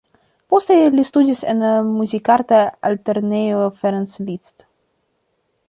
Poste li studis en Muzikarta Altlernejo Ferenc Liszt.